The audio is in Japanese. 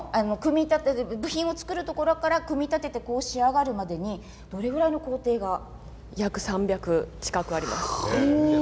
部品を作るところから組み立てて仕上がるまでに約３００近くあります。